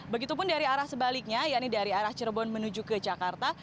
begitupun dari arah sebaliknya ya ini dari arah cirebon menuju ke jakarta